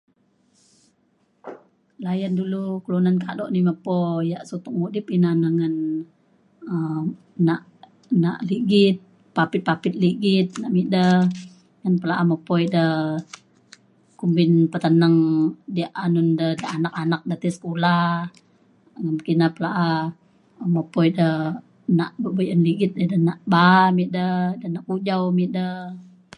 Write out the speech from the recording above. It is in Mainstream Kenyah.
layan dulu kelunan kado ni mepo yak sutok mudip ina na ngan um nak nak ligit papit papit ligit nak me ida ngan pela’am upoi da kumbin peteneng diak anun de anak anak de tai sekula um pekina pa la’a um mepo ida nak be- bayan ligit nak ba’a me ida nak ujau me ida